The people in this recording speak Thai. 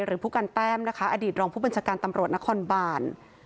หรือผู้การแต้มนะคะอดีตรองผู้บัญชาการตำรวจนครบาน